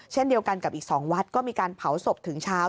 เช่นเดียวกันกับอีก๒วัดก็มีการเผาศพถึงเช้า